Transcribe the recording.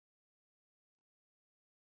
harus berjalan terus samo harbor vincent